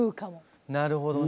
なるほどね。